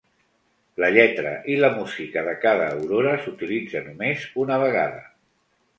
La lletra i la música de cada aurora s'utilitza només una vegada.